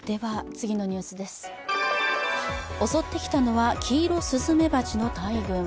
襲ってきたのはキイロスズメバチの大群。